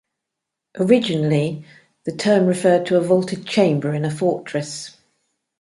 Originally, the term referred to a vaulted chamber in a fortress.